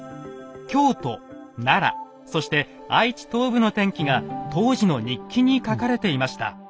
京都奈良そして愛知東部の天気が当時の日記に書かれていました。